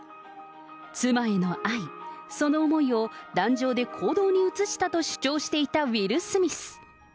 妻への愛、その思いを壇上で行動に移したと主張していたウィル・スミス。